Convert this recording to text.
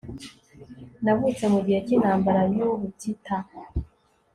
Navutse mugihe cyintambara yubutita